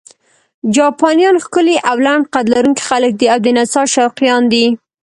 جاپانیان ښکلي او لنډ قد لرونکي خلک دي او د نڅا شوقیان دي.